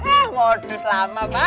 eh modus lama pak